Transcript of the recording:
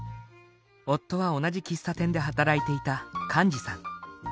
夫は同じ喫茶店で働いていた貫二さん。